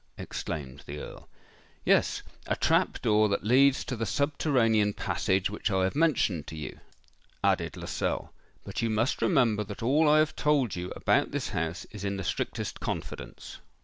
exclaimed the Earl. "Yes—a trap door that leads to the subterranean passage which I have mentioned to you," added Lascelles; "but you must remember that all I have told you about this house is in the strictest confidence.